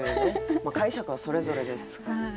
まあ解釈はそれぞれですから。